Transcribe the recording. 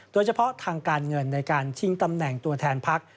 โดยเฉพาะทางการเงินในการชิงตำแหน่งตัวแทนพัก